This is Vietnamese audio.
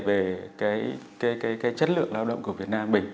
vấn đề về cái chất lượng lao động của việt nam mình